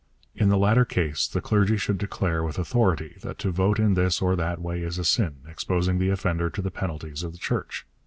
In the latter case the clergy should declare with authority that to vote in this or that way is a sin, exposing the offender to the penalties of the Church.